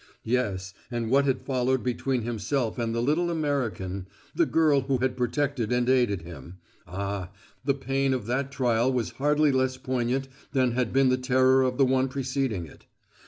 Yes, and what had followed between himself and the little American the girl who had protected and aided him ah, the pain of that trial was hardly less poignant than had been the terror of the one preceding it.